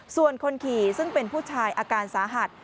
ส่วนคนขี่ซึ่งเป็นผู้ชายอาการสาหัส